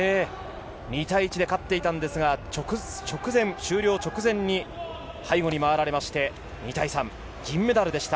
２対１で勝っていたんですが終了直前に背後に回られまして、２対３、銀メダルでした。